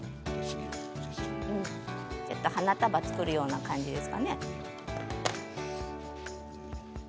花束を作るような感じですかね。